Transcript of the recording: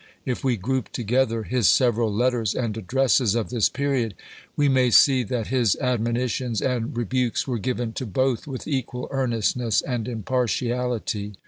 If we chap.viii. group together his several letters and addresses of this period, we may see that his admonitions and rebukes were given to both with equal earnestness and impartiality.